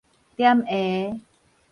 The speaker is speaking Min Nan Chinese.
砧鞋